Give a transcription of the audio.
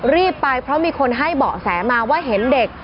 รีบไปเพราะมีคนให้เบาะแสมาว่าเห็นเด็ก